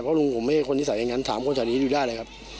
เพราะลุงผมไม่ใช่คนนิสัยอย่างนั้นถามคนใส่อย่างนี้อยู่ได้เลยครับ